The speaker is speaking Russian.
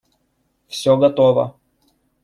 Все готово.